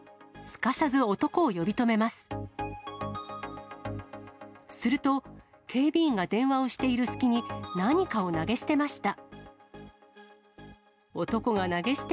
すると、警備員が電話をしている隙に、何かを投げ捨てました。